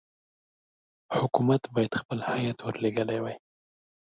حکومت باید خپل هیات ورلېږلی وای.